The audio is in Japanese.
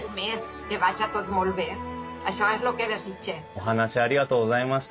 お話ありがとうございました。